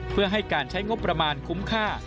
เพื่อให้การใช้งบประมาณคุ้มค่า